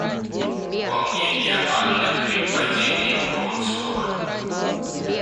Волнение Анны при падении Вронского.